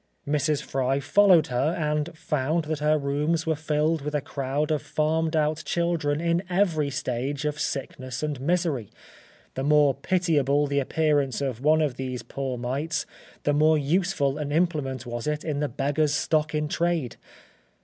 Mrs. Fry followed her, and found that her rooms were filled with a crowd of farmed out children in every stage of sickness and misery; the more pitiable the appearance of one of these poor mites, the more useful an implement was it in the beggar's stock in trade.